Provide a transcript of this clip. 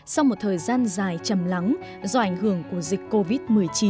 sau một thời gian dài chầm lắng do ảnh hưởng của dịch covid một mươi chín